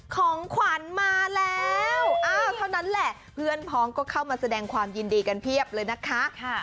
ของขวัญมาแล้วอ้าวเท่านั้นแหละเพื่อนพ้องก็เข้ามาแสดงความยินดีกันเพียบเลยนะคะ